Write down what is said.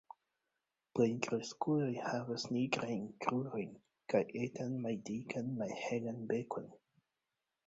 Plenkreskuloj havas nigrajn krurojn kaj etan maldikan malhelan bekon.